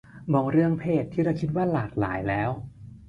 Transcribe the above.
มองเรื่องเพศที่เราคิดว่าหลากหลายแล้ว